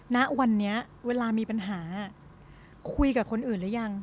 ณวันนี้เวลามีปัญหาคุยกับคนอื่นหรือยัง